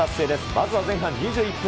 まずは、前半２１分。